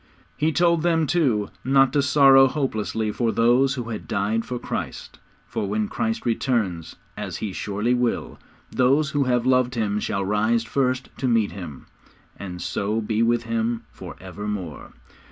He told them, too, not to sorrow hopelessly for those who had died for Christ, for when Christ returns, as He surely will, those who have loved Him shall rise first to meet Him, and so be with Him for evermore.